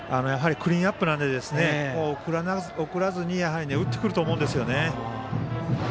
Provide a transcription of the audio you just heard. クリーンナップなので送らずに打ってくると思います。